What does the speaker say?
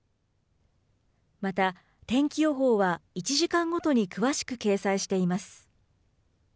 また、天気予報は１時間ごとに詳しく掲載しています。